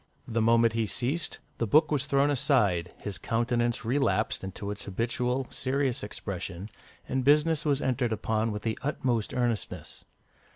The moment he ceased, the book was thrown aside, his countenance relapsed into its habitual serious expression, and business was entered upon with the utmost earnestness.